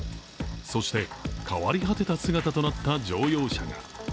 そして、変わり果てた姿となった乗用車が。